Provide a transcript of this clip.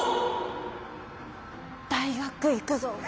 「大学行くぞ！」。